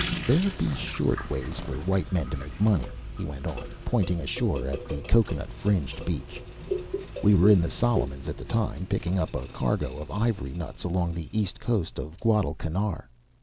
"There be short ways for white men to make money," he went on, pointing ashore at the cocoanut fringed beach. We were in the Solomons at the time, picking up a cargo of ivory nuts along the east coast of Guadalcanar.